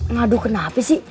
ngaduh kenapa sih